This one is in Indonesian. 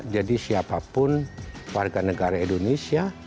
jadi siapapun warga negara indonesia